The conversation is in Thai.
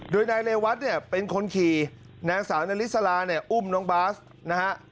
โดยนายเรวัตเนี่ยเป็นคนขี่นางสาวนาริสลาเนี่ยอุ้มน้องบาสนะฮะ